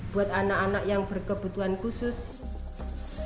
buat anak anak yang berkebutuhan khusus